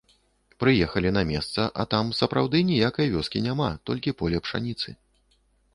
Прыехалі на месца, а там, сапраўды, ніякай вёскі няма, толькі поле пшаніцы.